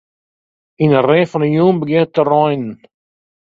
Yn 'e rin fan 'e jûn begjint it te reinen.